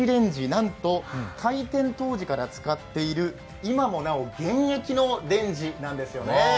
なんと開店当時から使っている、今もなお現役のレンジなんですよね。